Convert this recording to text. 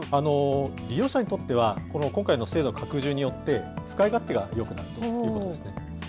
利用者にとっては、この今回の制度拡充によって、使い勝手がよくなるということですね。